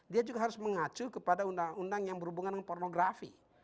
dia juga harus mengacu kepada undang undang yang berhubungan dengan pornografi